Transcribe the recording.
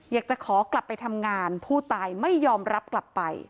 อยากจะขอกลับไปทำงานผู้ตายไม่ยอมรับกลับไป